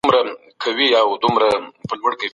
د لویې جرګي غړي د خپلو ولایتونو په اړه څه وایي؟